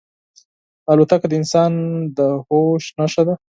الوتکه د انسان د هوش نښه ده.